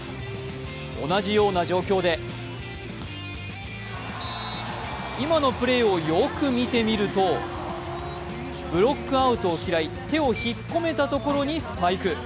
同じような状況で今のプレーをよく見てみると、ブロックアウトを嫌い、手を引っ込めたところにスパイク。